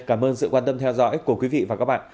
cảm ơn sự quan tâm theo dõi của quý vị và các bạn